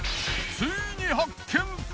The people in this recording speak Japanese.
ついに発見！